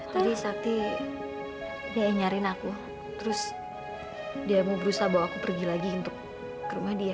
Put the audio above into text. tadi sakti dia nyariin aku terus dia mau berusaha bawa aku pergi lagi untuk ke rumah dia